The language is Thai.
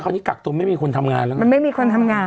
ตอนนี้กักตัวไม่มีคนทำงานแล้วนะ